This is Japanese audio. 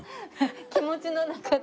気持ちの中が。